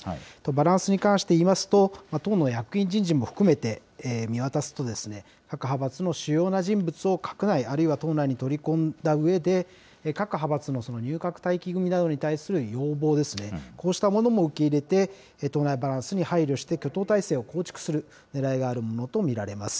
バランスに関していいますと、党の役員人事も含めて見渡すと、各派閥の主要な人物を閣内、あるいは党内に取り込んだうえで、各派閥の入閣待機組などに対する要望ですね、こうしたものも受け入れて、党内バランスに配慮して、挙党態勢構築するねらいがあるものと見られます。